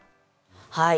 はい。